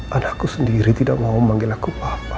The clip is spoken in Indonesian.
hai anakku sendiri tidak mau manggil aku papa